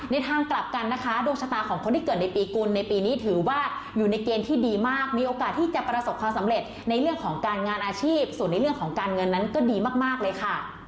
ทางกลับกันนะคะดวงชะตาของคนที่เกิดในปีกุลในปีนี้ถือว่าอยู่ในเกณฑ์ที่ดีมากมีโอกาสที่จะประสบความสำเร็จในเรื่องของการงานอาชีพส่วนในเรื่องของการเงินนั้นก็ดีมากเลยค่ะ